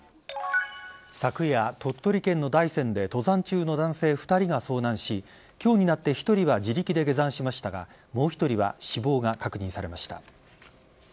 昨夜、鳥取県の大山で登山中の男性２人が遭難し今日になって１人は自力で下山しましたがもう１人は死亡が確認されました。